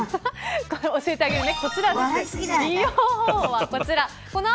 教えてあげるね。